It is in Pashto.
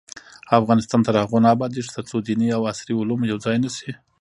افغانستان تر هغو نه ابادیږي، ترڅو دیني او عصري علوم یو ځای نشي.